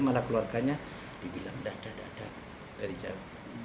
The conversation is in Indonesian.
malah keluarganya dibilang dada dada dari jauh